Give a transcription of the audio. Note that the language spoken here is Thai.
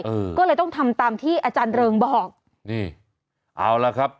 เออก็เลยต้องทำตามที่อาจารย์เริงบอกนี่เอาล่ะครับ